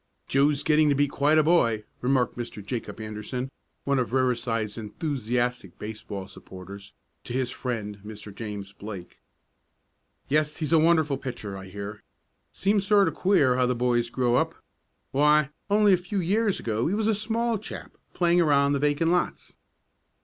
"Joe's getting to be quite a boy," remarked Mr. Jacob Anderson, one of Riverside's enthusiastic baseball supporters, to his friend, Mr. James Blake. "Yes, he's a wonderful pitcher, I hear. Seems sort of queer how the boys grow up. Why, only a few years ago he was a small chap, playing around the vacant lots."